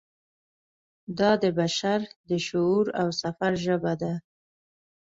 دا د بشر د شعور او سفر ژبه ده.